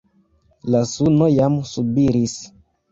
La suno jam subiris.